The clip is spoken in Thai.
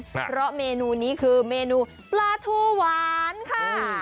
เพราะเมนูนี้คือเมนูปลาทูหวานค่ะ